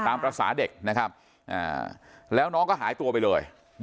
ตามภาษาเด็กนะครับแล้วน้องก็หายตัวไปเลย